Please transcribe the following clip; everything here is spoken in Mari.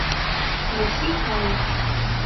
Россий калык